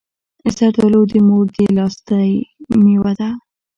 زردالو د مور د لاستی مېوه ده.